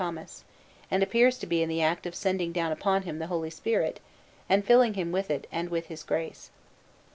Thomas, and appears to be in the act of sending down upon him the Holy Spirit, and filling him with it and with His grace.